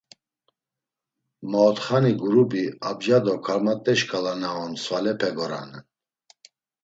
Maotxani gurubi abca do karmat̆e şǩala na on svalepe goranen.